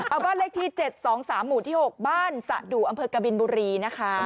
เอาบ้านเลขที่๗๒๓๖บ้านสระดุอำเภอกบิลบุรีนะคะ